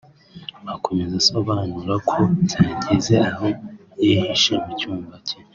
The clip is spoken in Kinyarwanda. Akomeza asobanura ko byageze aho yihisha mu cyumba cye